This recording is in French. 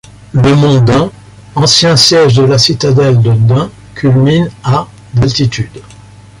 Le mont Dun, ancien siège de la citadelle de Dun, culmine à d'altitude.